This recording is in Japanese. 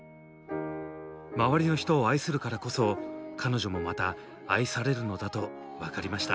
周りの人を愛するからこそ彼女もまた愛されるのだと分かりました。